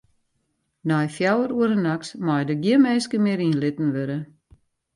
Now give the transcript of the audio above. Nei fjouwer oere nachts meie der gjin minsken mear yn litten wurde.